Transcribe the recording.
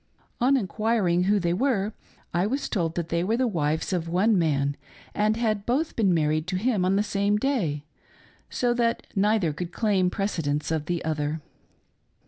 On enquiring who they ■were, I was told that they were the wives of one man arid had both %eeh matried to him on the same day, so that neither could claim precedence of the. other.